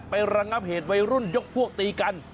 ระงับเหตุวัยรุ่นยกพวกตีกัน